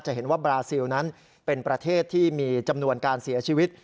เห็นว่าบราซิลนั้นเป็นประเทศที่มีจำนวนการเสียชีวิต